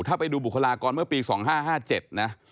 ถ้าไปดูบุคลากรเมื่อปี๒๕๕๗นะ